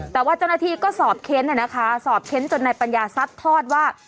แต่ว่าเจ้าหน้าที่ก็สอบเค้นนะคะสอบเค้นจนนายปัญญาซัดทอดว่า